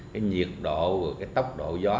cái nhiệt độ cái tốc độ gió